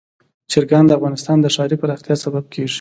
چرګان د افغانستان د ښاري پراختیا سبب کېږي.